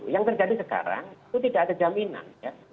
yang terjadi sekarang itu tidak ada jaminan ya